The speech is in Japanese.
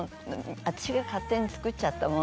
私が勝手に作っちゃったもの